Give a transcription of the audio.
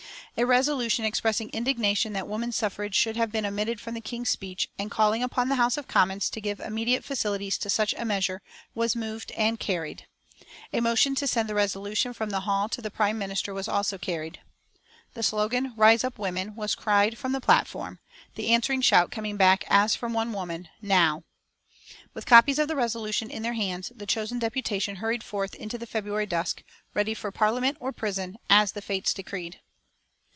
A resolution expressing indignation that woman suffrage should have been omitted from the King's speech, and calling upon the House of Commons to give immediate facilities to such a measure, was moved and carried. A motion to send the resolution from the hall to the Prime Minister was also carried. The slogan, "Rise up, women," was cried from the platform, the answering shout coming back as from one woman, "Now!" With copies of the resolution in their hands, the chosen deputation hurried forth into the February dusk, ready for Parliament or prison, as the fates decreed.